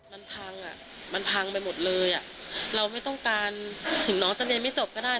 มันพังอ่ะมันพังไปหมดเลยอ่ะเราไม่ต้องการถึงน้องจะเรียนไม่จบก็ได้